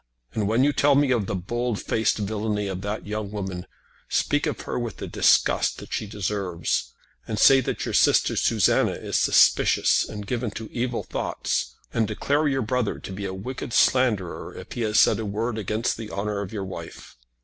And when you tell me of the bold faced villany of that young woman, speak of her with the disgust that she deserves; and say that your sister Susanna is suspicious and given to evil thoughts; and declare your brother to be a wicked slanderer if he has said a word against the honour of your wife.